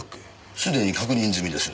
既に確認済みです。